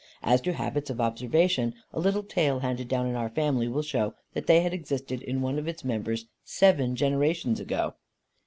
As to habits of observation, a little tale handed down in our family will show that they had existed in one of its members seven generations ago.